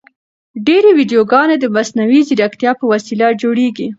ډېرې ویډیوګانې د مصنوعي ځیرکتیا په وسیله جوړیږي.